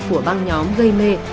của băng nhóm gây mê